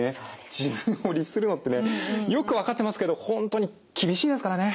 自分を律するのってねよく分かってますけど本当に厳しいですからね。